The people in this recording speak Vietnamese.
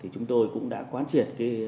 chúng tôi cũng đã quán triệt